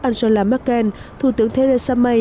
angela merkel thủ tướng theresa may